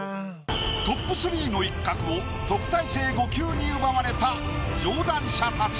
トップ３の一角を特待生５級に奪われた上段者たち。